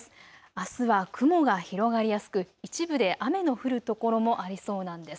あすは雲が広がりやすく一部で雨の降る所もありそうなんです。